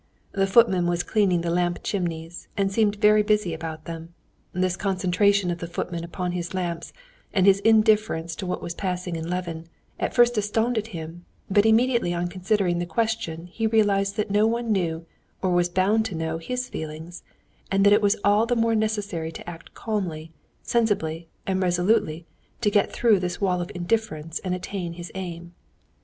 The footman was cleaning the lamp chimneys, and seemed very busy about them. This concentration of the footman upon his lamps, and his indifference to what was passing in Levin, at first astounded him, but immediately on considering the question he realized that no one knew or was bound to know his feelings, and that it was all the more necessary to act calmly, sensibly, and resolutely to get through this wall of indifference and attain his aim.